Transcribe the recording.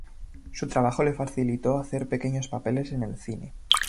Su trabajo le facilitó hacer pequeños papeles en el cine.